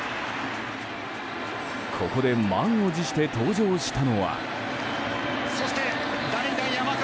ここで満を持して登場したのは。